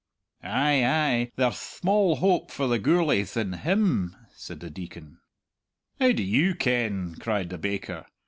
"Ay, ay; there'th thmall hope for the Gourlayth in him!" said the Deacon. "How do you ken?" cried the baker.